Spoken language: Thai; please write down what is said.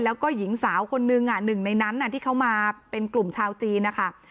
แล้วก็หญิงสาวคนนึงหนึ่งในนั้นที่เขามาเป็นกลุ่มชาวจีนนะคะ